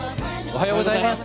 おはようございます。